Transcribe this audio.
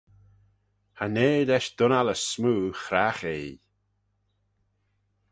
Cha nee lesh dunnallys smoo chragh eh ee.